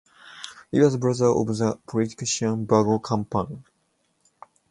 He was the brother of the politician Viggo Kampmann.